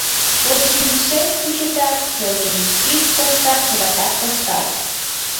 Пошйиришет кучетат, колымишкит коштат, товатат, коштат...